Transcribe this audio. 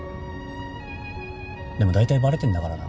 でもだいたいバレてんだからな。